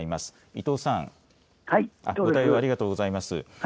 伊藤さん、ありがとうございます。